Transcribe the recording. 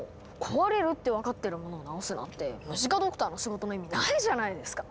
壊れるって分かってるものをなおすなんてムジカ・ドクターの仕事の意味ないじゃないですか。